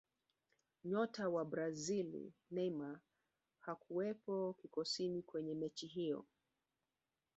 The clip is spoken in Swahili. nyota wa brazili neymar hakuwepo kikosini kwenye mechi hiyo